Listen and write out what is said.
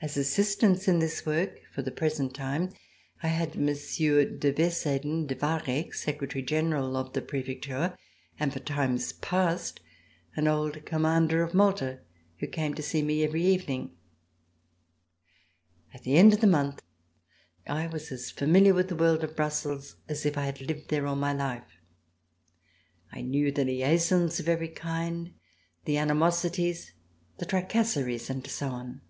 As assistants in this work, for the present time, I had Monsieur de Verseyden, Secretary General of the Prefecture of Wareck, and, for times past, an old Commander of Malta, who came to see me every evening. At the end of a month I was as familiar with the world of Brussels as if I had lived there all my life. I knew the liaisons of every kind, the animosities, the tracasseries and so on.